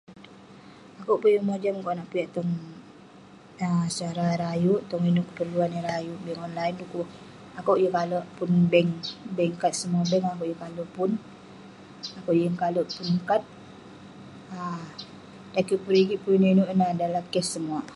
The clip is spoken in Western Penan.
Akuek peh yeng mojam konak piak tong yah sara ireh ayuk tong ineuk keperluan ireh ayuk bi online ineh dukuk akuek yeng kalek alek pun bank, bank kad semua bank yeng pun yeng kalek pun kad um dan kik pun rigit ineh adalah cash semua